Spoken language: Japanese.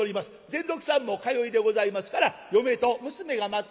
善六さんも通いでございますから嫁と娘が待っております